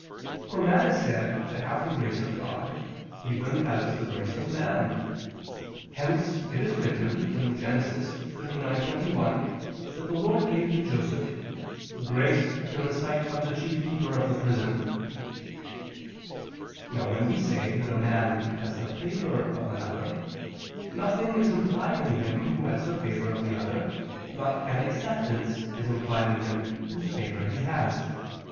For man is said to have the grace of God even as the grace of man. Hence it is written (Gen. 39:21) that the Lord gave to Joseph "grace [Douay: 'favor'] in the sight of the chief keeper of the prison." Now when we say that a man has the favor of another, nothing is implied in him who has the favor of the other, but an acceptance is implied in him whose favor he has.